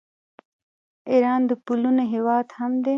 ایران د پلونو هیواد هم دی.